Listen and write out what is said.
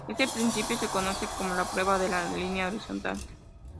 Este principio se conoce como la Prueba de la línea horizontal.